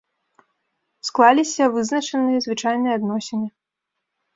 Складаліся вызначаныя звычайныя адносіны.